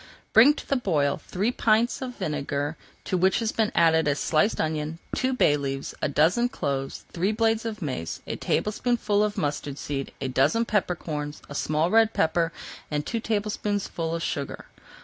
Bring to the boil three pints of vinegar to which has been added a sliced onion, two bay leaves, a dozen cloves, three blades of mace, a tablespoonful of mustard seed, a dozen pepper corns, a small red pepper, and two tablespoonfuls of sugar.